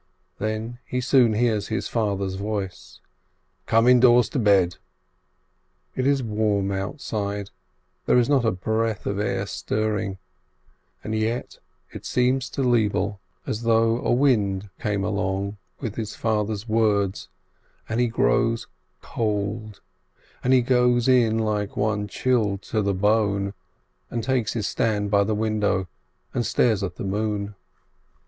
But he soon hears his father's voice: "Come indoors, to bed !" It is warm outside, there is not a breath of air stirring, and yet it seems to Lebele as though a wind came along with his father's words, and he grows cold, and he goes in like one chilled to the bone, takes his stand by the window, and stares at the moon.